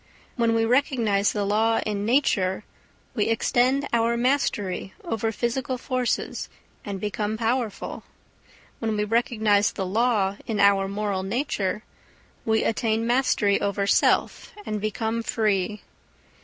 When we recognise the law in nature we extend our mastery over physical forces and become powerful; when we recognise the law in our moral nature we attain mastery over self and become free.